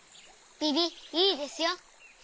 ビビいいですよ。